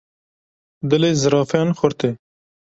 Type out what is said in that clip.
Dilê zirafayan xurt e.